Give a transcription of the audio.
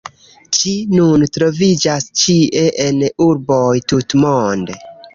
Ĝi nun troviĝas ĉie en urboj tutmonde.